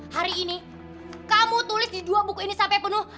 hari ini kamu tulis di dua buku ini sampai penuh